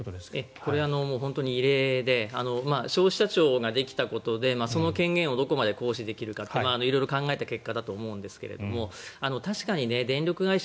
これは本当に異例で消費者庁ができたことでその権限をどこまで行使できるか色々考えた結果だと思うんですが確かに電力会社